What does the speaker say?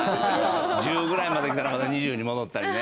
１０ぐらいまできたらまた２０に戻ったりね。